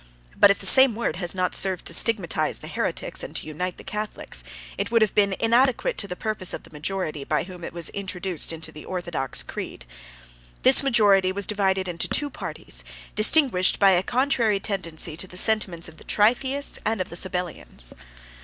But if the same word had not served to stigmatize the heretics, and to unite the Catholics, it would have been inadequate to the purpose of the majority, by whom it was introduced into the orthodox creed. This majority was divided into two parties, distinguished by a contrary tendency to the sentiments of the Tritheists and of the Sabellians.